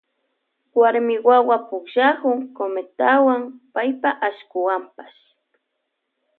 Warmi wawa pukllakun cometawan paypa ashkuwanpash.